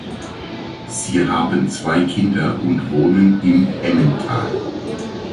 Sie haben zwei Kinder und wohnen im Emmental.